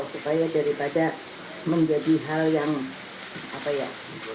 supaya daripada menjadi hal yang apa ya